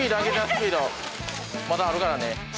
まだあるからね。